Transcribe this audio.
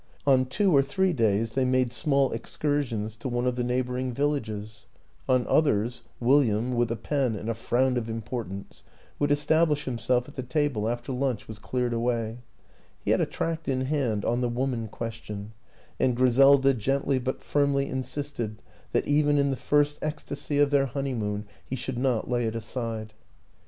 On two or three days they made small excursions to one of the neighboring villages; on others William, with a pen and a frown of importance, would establish himself at the table after lunch was cleared away; he had a tract in hand on the Woman Question, and Griselda gently but firmly insisted that even in the first ecstasy of their honeymoon he should not lay it aside.